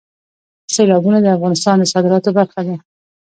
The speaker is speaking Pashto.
سیلابونه د افغانستان د صادراتو برخه ده.